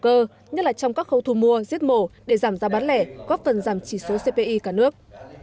cơ nhất là trong các khâu thu mua giết mổ để giảm giá bán lẻ góp phần giảm chỉ số cpi cả nước